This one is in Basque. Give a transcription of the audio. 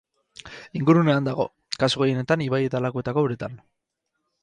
Ingurunean dago, kasu gehienetan ibai eta lakuetako uretan.